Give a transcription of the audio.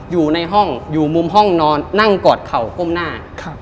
อยู่ในห้องอยู่มุมห้องนอนนั่งกอดเข่าก้มหน้า